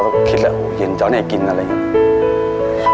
ก็คิดแล้วเห็นเจ้าไหนกินอะไรอย่างนี้